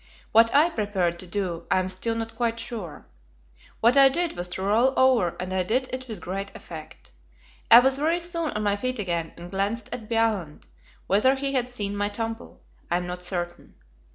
What I prepared to do, I am still not quite sure. What I did was to roll over, and I did it with great effect. I was very soon on my feet again, and glanced at Bjaaland; whether he had seen my tumble, I am not certain.